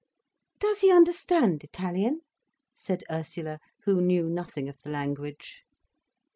"Does he understand Italian?" said Ursula, who knew nothing of the language.